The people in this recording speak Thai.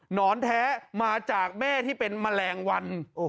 อนแท้มาจากแม่ที่เป็นแมลงวัน